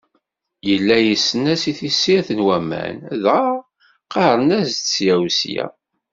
Yella yessnen-as i tessirt n waman, dɣa ɣɣaren-as-d ssya u ssya.